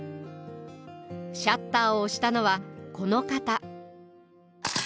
シャッターを押したのはこの方。